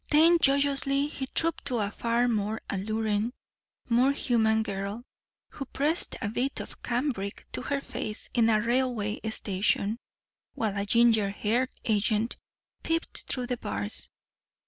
Then joyously they trooped to a far more alluring, more human girl, who pressed a bit of cambric to her face in a railway station, while a ginger haired agent peeped through the bars.